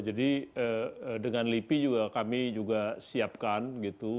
jadi dengan lipi juga kami juga siapkan gitu